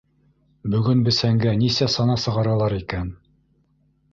Бөгөн бесәнгә нисә сана сығаралар икән?